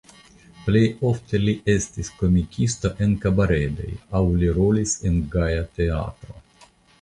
Plej ofte li estis komikisto en kabaredoj aŭ li rolis en Gaja Teatro.